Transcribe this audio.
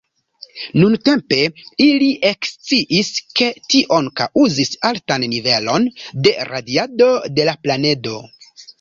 Nuntempe ili eksciis, ke tion kaŭzis altan nivelon de radiado de la planedo.